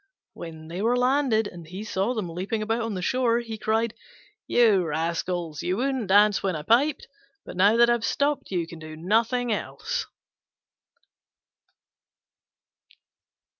When they were landed and he saw them leaping about on the shore, he cried, "You rascals! you wouldn't dance when I piped: but now I've stopped, you can do nothing else!"